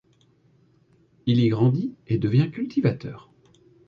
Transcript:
Il y grandit et devient cultivateur.